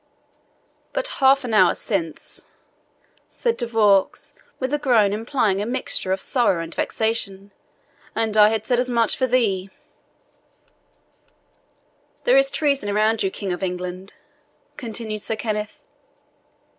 "But half an hour since," said De Vaux, with a groan, implying a mixture of sorrow and vexation, "and I had said as much for thee!" "There is treason around you, King of England," continued Sir Kenneth.